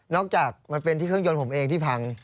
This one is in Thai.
จากมันเป็นที่เครื่องยนต์ผมเองที่พัง